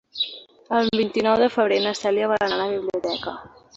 El vint-i-nou de febrer na Cèlia vol anar a la biblioteca.